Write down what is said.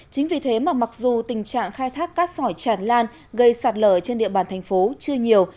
chính vì thế mà mặc dù tình trạng khai thác cát sỏi tràn lan gây sạt lở trên địa bàn thành phố chưa nhiều